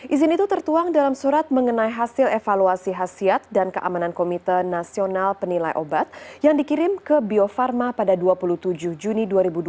izin itu tertuang dalam surat mengenai hasil evaluasi hasil dan keamanan komite nasional penilai obat yang dikirim ke bio farma pada dua puluh tujuh juni dua ribu dua puluh